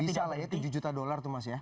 bisa lah ya tujuh juta dolar tuh mas ya